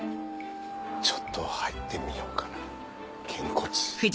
ちょっと入ってみよっかなげんこつ。